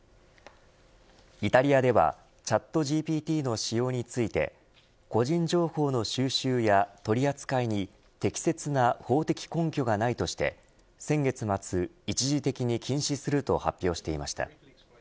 イタリアではＣｈａｔＧＰＴの使用について個人情報の収集や取り扱いに適切な法的根拠がないとして先月末、一時的に禁止すると発表していました。